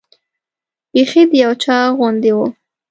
بیخي د یو چا غوندې وه.